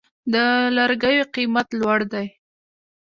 د لرګیو قیمت لوړ دی؟